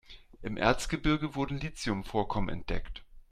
Im Erzgebirge wurden Lithium-Vorkommen entdeckt.